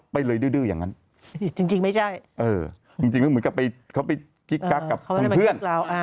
ไปเลยดื้ออย่างนั้นจริงไม่ใช่จริงแล้วเหมือนกับไปเขาไปกิ๊กกักกับทางเพื่อน